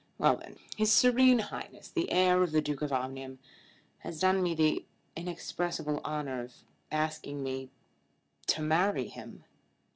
Well then; His Serene Highness the heir of the Duke of Omnium has done me the inexpressible honour of asking me to marry him."